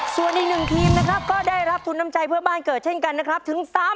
ส่วนในหนึ่งทีมก็ได้รับทุนน้ำใจเกิดเกิดถึง๓๐๐๐๐บาท